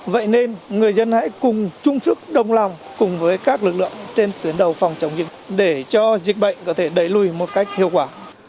vậy nên người dân hãy cùng chung sức đồng lòng cùng với các lực lượng trên tuyến đầu phòng chống dịch để cho dịch bệnh có thể đẩy lùi một cách hiệu quả